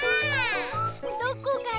どこかな？